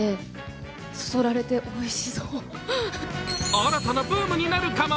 新たなブームになるかも。